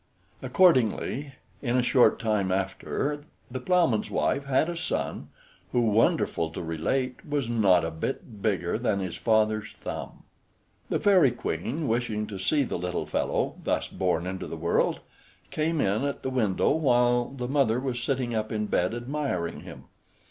Accordingly, in a short time after, the plowman's wife had a son, who, wonderful to relate, was not a bit bigger than his father's thumb. The fairy queen, wishing to see the little fellow thus born into the world, came in at the window while the mother was sitting up in bed admiring him.